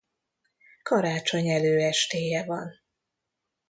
Karácsony előestéje van.